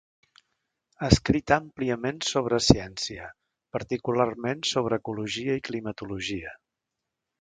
Ha escrit àmpliament sobre ciència, particularment sobre ecologia i climatologia.